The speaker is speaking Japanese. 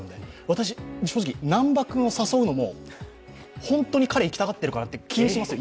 私、正直、南波君を誘うのも、本当に彼は行きたがっているのかなという気がしますよ。